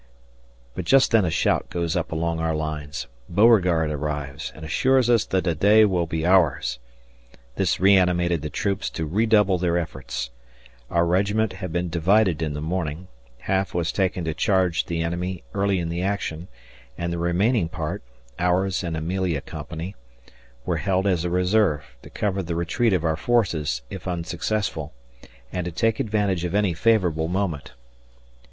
But just then a shout goes up along our lines. Beauregard arrives and assures us that the day will be ours. This reanimated the troops to redouble their efforts. Our regiment had been divided in the morning; half was taken to charge the enemy early in the action and the remaining part (ours and Amelia Co.) were held as a reserve, to cover the retreat of our forces, if unsuccessful, and to take advantage of any favorable moment.